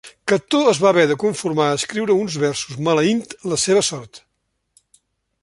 Cató es va haver de conformar a escriure uns versos maleint la seva sort.